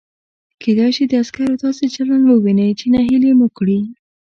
کېدای شي د عسکرو داسې چلند ووینئ چې نهیلي مو کړي.